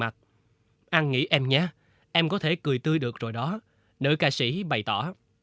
ăn nghỉ em nhé em có thể cười tươi được rồi đó nữ ca sĩ bày tỏ